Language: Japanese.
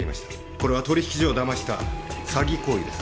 これは取引所をだました詐欺行為です。